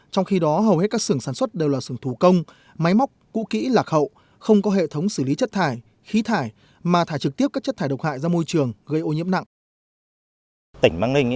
trong khi đó hầu hết các xưởng sản xuất đều là sưởng thủ công máy móc cũ kỹ lạc hậu không có hệ thống xử lý chất thải khí thải mà thải trực tiếp các chất thải độc hại ra môi trường gây ô nhiễm nặng